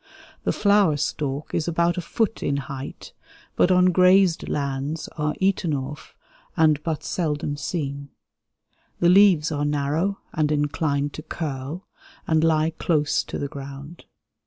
The flower stalk is about a foot in height, but on grazed lands are eaten off and but seldom seen. The leaves are narrow and inclined to curl, and lie close to the ground.